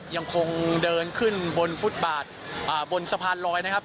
ยังคงเดินขึ้นบนฟุตบาทบนสะพานลอยนะครับ